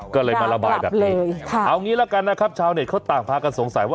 ก็เลยมาระบายแบบนี้เลยเอางี้ละกันนะครับชาวเน็ตเขาต่างพากันสงสัยว่า